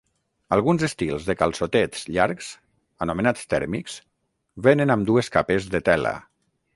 Alguns estils de calçotets llargs, anomenats tèrmics, vénen amb dues capes de tela.